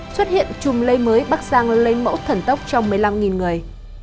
xuất hiện chùm lây mới bắt sang lây mẫu thẩn tốc trong một mươi năm người